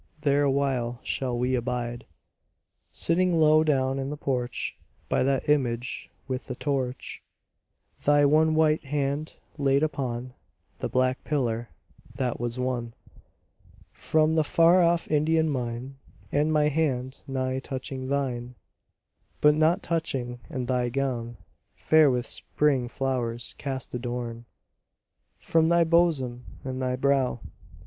There awhile shall we abide, Sitting low down in the porch By that image with the torch: Thy one white hand laid upon The black pillar that was won From the far off Indian mine; And my hand nigh touching thine, But not touching; and thy gown Fair with spring flowers cast adown From thy bosom and thy brow.